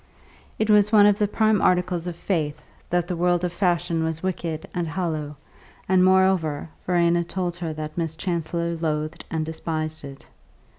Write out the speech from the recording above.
It was one of the prime articles of her faith that the world of fashion was wicked and hollow, and, moreover, Verena told her that Miss Chancellor loathed and despised it.